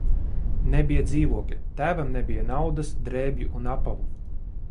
Nebija dzīvokļa, tēvam nebija naudas, drēbju un apavu.